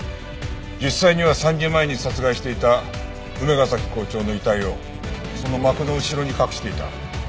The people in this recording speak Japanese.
実際には３時前に殺害していた梅ヶ崎校長の遺体をその幕の後ろに隠していた。